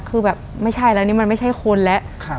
คือแบบไม่ใช่แล้วนี่มันไม่ใช่คนแล้ว